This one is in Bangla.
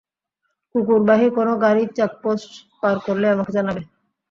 কুকুরবাহী কোনো গাড়ি চেকপোস্ট পার করলেই আমাকে জানাবে।